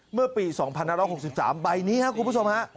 เมื่อปี๒๑๖๓ใบนี้ครับกุมพิษมณ์